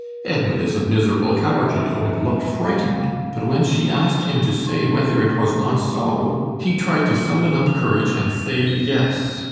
Edmund is a miserable coward, you know, and looked frightened; but when she asked him to say whether it was not so, he tried to summon up courage and say yes.